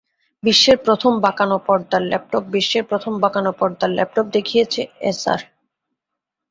বিশ্বের প্রথম বাঁকানো পর্দার ল্যাপটপবিশ্বের প্রথম বাঁকানো পর্দার ল্যাপটপ দেখিয়েছে এসার।